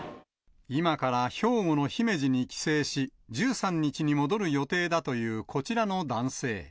今から兵庫の姫路に帰省し、１３日に戻る予定だというこちらの男性。